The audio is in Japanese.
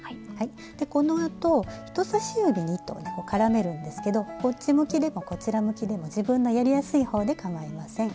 でこのあと人さし指に糸を絡めるんですけどこっち向きでもこちら向きでも自分のやりやすい方でかまいません。